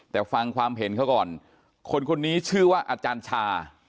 แต่ฟังความเห็นเขาก่อนคนคนนี้ชื่อว่าอาจารย์ชา